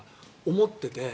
思ってて。